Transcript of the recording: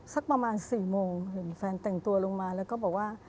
สักประมาณ๔โมงเห็นแฟนแต่งตัวลงมาแล้วก็บอกว่า